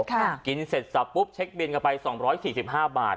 ค่ะกินเสร็จสับปุ๊บเช็คบินกลับไปสองร้อยสี่สิบห้าบาท